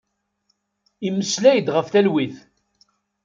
Immeslay-d ɣef talwit.